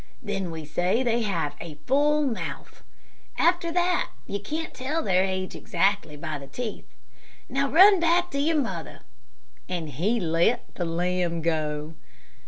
Then we say they have 'a full mouth.' After that you can't tell their age exactly by the teeth. Now, run back to your mother," and he let the lamb go.